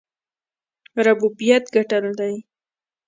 ربوبیت ګټل دی.